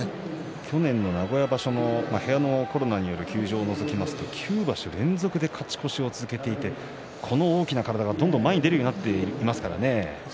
去年の名古屋場所部屋のコロナによる休場を除きますと９場所連続で勝ち越しを決めていてこの大きな体がどんどん前に出ていますからね。